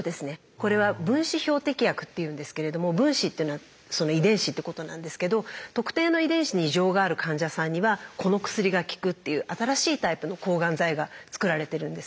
これは「分子標的薬」っていうんですけれども分子っていうのはその遺伝子ってことなんですけど特定の遺伝子に異常がある患者さんにはこの薬が効くっていう新しいタイプの抗がん剤がつくられてるんです。